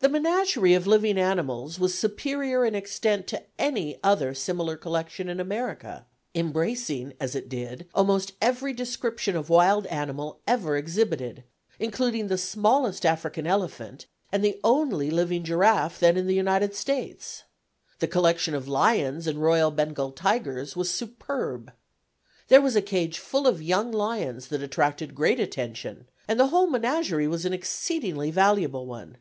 The menagerie of living animals was superior in extent to any other similar collection in America, embracing, as it did, almost every description of wild animal ever exhibited, including the smallest African elephant, and the only living giraffe then in the United States. The collection of lions and royal Bengal tigers was superb. There was a cage full of young lions that attracted great attention, and the whole menagerie was an exceedingly valuable one.